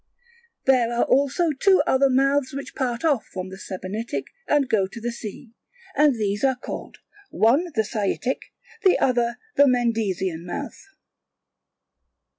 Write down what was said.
There are also two other mouths which part off from the Sebennytic and go to the sea, and these are called, one the Saitic, the other the Mendesian mouth.